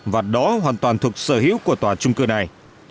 và đó hoàn toàn thuộc sở hữu của tòa trung cư này